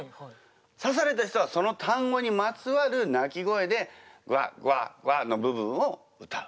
さされた人はその単語にまつわる鳴き声で「グワッグワッグワッ」の部分を歌う。